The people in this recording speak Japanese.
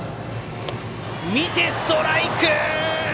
見て、ストライク！